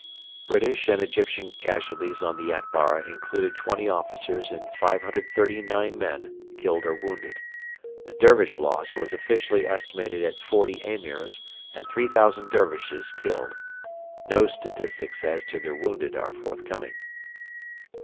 British and Egyptian casualties on the Atbara included 20 officers and 539 men killed or wounded. The Dervish loss was officially estimated at 40 Emirs and 3,000 dervishes killed. No statistics as to their wounded are forthcoming.